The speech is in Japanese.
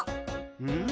うん？